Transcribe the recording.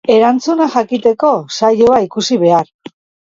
Erantzuna jakiteko, saioa ikusi behar.